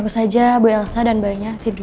ious aja bae asa dan valgnya tidur